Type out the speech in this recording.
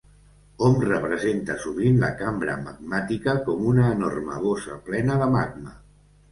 Hom representa sovint la cambra magmàtica com una enorme bossa plena de magma.